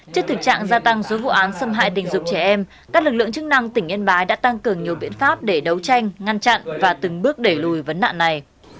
trước thực trạng gia tăng số vụ án xâm hại tình dục trẻ em các lực lượng chức năng tỉnh yên bái đã tăng cường nhiều biện pháp để đấu tranh ngăn chặn và từng bước đẩy lùi vấn nạn này